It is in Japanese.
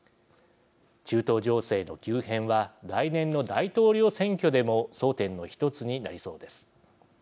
中東情勢の急変は来年の大統領選挙でも争点の１つになりそうです。